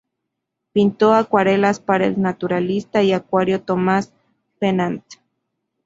Pintó acuarelas para el naturalista y anticuario Thomas Pennant.